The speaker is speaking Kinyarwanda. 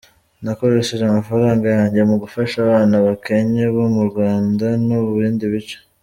Nakoresheje amafaranga yanjye mu gufasha abana bakennye bo mu Rwanda no mu bindi bice.